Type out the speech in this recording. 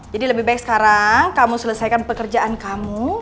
jadi lebih baik sekarang kamu selesaikan pekerjaan kamu